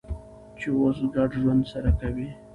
چې اوس ګډ ژوند سره کوي.